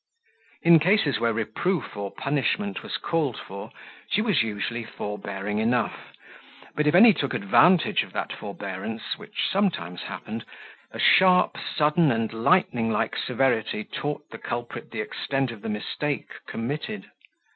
In cases where reproof or punishment was called for she was usually forbearing enough; but if any took advantage of that forbearance, which sometimes happened, a sharp, sudden and lightning like severity taught the culprit the extent of the mistake committed.